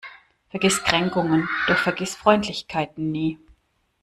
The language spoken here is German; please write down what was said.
Vergiss Kränkungen, doch vergiss Freundlichkeiten nie.